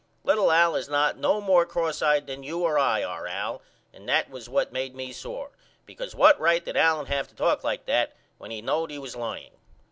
Little Al is not no more X eyed than you or I are Al and that was what made me sore because what right did Allen have to talk like that when he knowed he was lying?